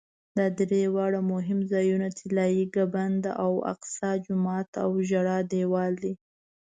دا درې واړه مهم ځایونه طلایي ګنبده او اقصی جومات او ژړا دیوال دي.